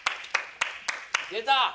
出た！